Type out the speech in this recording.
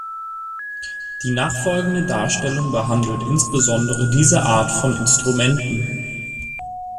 Die nachfolgende Darstellung behandelt insbesondere diese Art von Instrumenten.